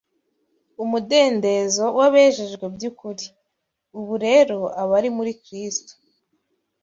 umudendezo w’abejejwe by’ukuri: ” Ubu rero abari muri Kristo